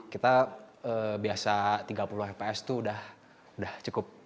kita biasa tiga puluh fps itu udah cukup